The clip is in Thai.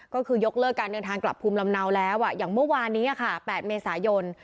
ก็คือยกเลิกการเดินทางกลับภูมิลำเนาแล้วอย่างเมื่อวานนี้ค่ะ๘เมษายน